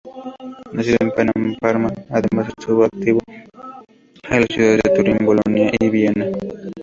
Nacido en Parma, además estuvo activo en las ciudades de Turín, Bolonia y Viena.